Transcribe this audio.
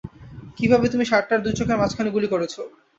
কিভাবে তুমি ষাড়টার দুই চোখের মাঝখানে গুলি করেছো।